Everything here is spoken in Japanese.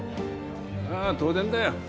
ああ当然だよ。